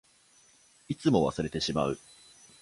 いつも忘れてしまう。